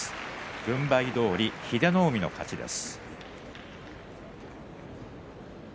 軍配どおり英乃海の勝ちです。